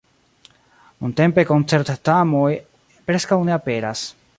Nuntempe koncert-tamoj preskaŭ ne aperas.